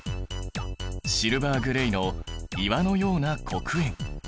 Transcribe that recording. シルバーグレーの岩のような黒鉛。